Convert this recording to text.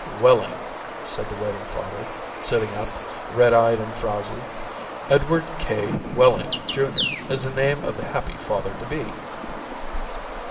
"Wehling," said the waiting father, sitting up, red eyed and frowzy. "Edward K. Wehling, Jr., is the name of the happy father to be."